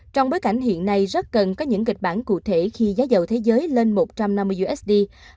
trong bối cảnh hiện nay rất cần có những kịch bản cụ thể khi giá dầu thế giới lên một trăm năm mươi usd